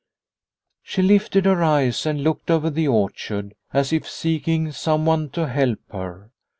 She lifted her eyes and looked over the orchard, as if seeking someone to help her.